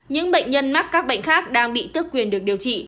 những bệnh nhân mắc các bệnh khác đang bị tước quyền được điều trị